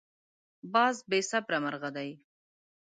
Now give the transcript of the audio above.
باز بې صبره مرغه دی